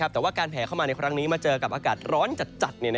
แต่ว่าการแผลเข้ามาในครั้งนี้มาเจอกับอากาศร้อนจัด